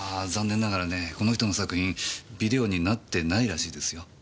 残念ながらねこの人の作品ビデオになってないらしいですよ。